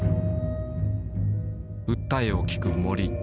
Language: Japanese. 訴えを聞く森。